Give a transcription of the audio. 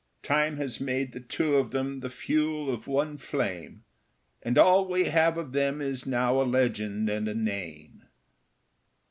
Time has made the two of them the fuel of one flame And all we have of them is now a legend and a name.